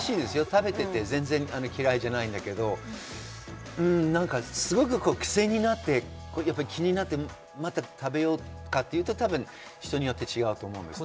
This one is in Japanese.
食べていて嫌いじゃないけど、なんかすごくクセになって、気になって、また食べようかというと多分、人によって違うと思います。